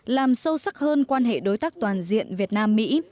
làm sâu sắc hơn quan hệ đối tác toàn diện việt nam mỹ